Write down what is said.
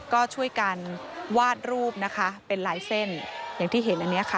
ก็ช่วยกันวาดรูปนะคะเป็นลายเส้นอย่างที่เห็นอันนี้ค่ะ